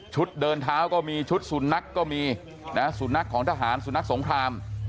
เดินเท้าก็มีชุดสุนัขก็มีนะสุนัขของทหารสุนัขสงคราม